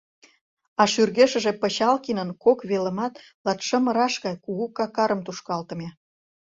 А шӱргешыже Пычалкинын кок велымат латшымыраш гай кугу какарым тушкалтыме.